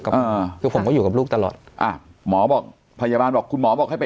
อ่าคือผมก็อยู่กับลูกตลอดอ่าหมอบอกพยาบาลบอกคุณหมอบอกให้ไป